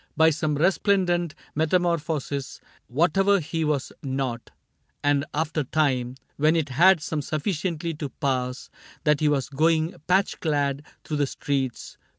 By some resplendent metamorphosis. Whatever he was not. And after time. When it had come sufficiently to pass That he was going patch clad through the streets.